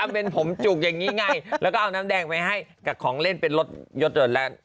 เป็นผมจุกอย่างนี้ไงแล้วก็เอาน้ำแดงไปให้กับของเล่นเป็นรถยดเดินแรนด์